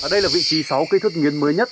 đây là vị trí sáu cây thước nghiến mới nhất